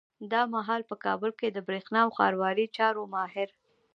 دا مهال په کابل کي د برېښنا او ښاروالۍ چارو ماهر